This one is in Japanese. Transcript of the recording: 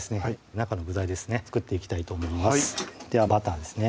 中の具材ですね作っていきたいと思いますではバターですね